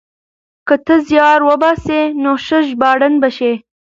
که ته زيار وباسې نو ښه ژباړن به شې.